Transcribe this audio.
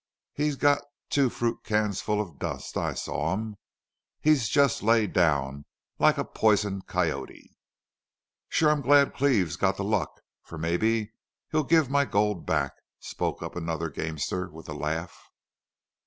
"He's got two fruit cans full of dust. I saw 'em.... He's just lay down like a poisoned coyote." "Shore I'm glad Cleve's got the luck, fer mebbe he'll give my gold back," spoke up another gamester, with a laugh.